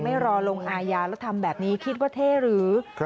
ไม่รอลงอาญาแล้วทำแบบนี้คิดว่าเท่หรือ